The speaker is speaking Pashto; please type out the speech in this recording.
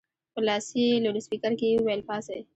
په لاسي لوډسپیکر کې یې وویل پاڅئ.